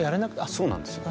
そうなんですよ。